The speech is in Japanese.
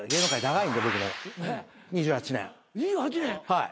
はい。